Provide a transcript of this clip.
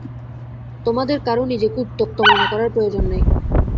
তোমাদের কারও নিজেকে উত্ত্যক্ত মনে করার প্রয়োজন নাই।